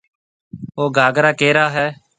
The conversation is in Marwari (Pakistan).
او گھاگرا ڪَيرا هيَ؟